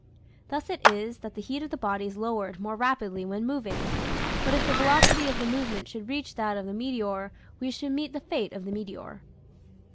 Thus it is that the heat of the body is lowered more rapidly when moving. But if the velocity of the movement should reach that of the meteor we should meet the fate of the meteor.